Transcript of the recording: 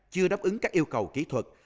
chưa đáp ứng các yêu cầu kỹ thuật